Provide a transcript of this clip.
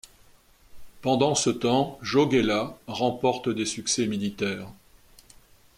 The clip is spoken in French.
Pendant ce temps, Jogaila remporte des succès militaires.